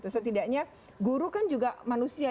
setidaknya guru kan juga manusia